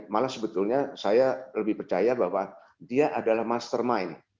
malah sebetulnya saya lebih percaya bahwa dia adalah mastermind